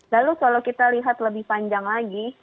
lalu kalau kita lihat lebih panjang lagi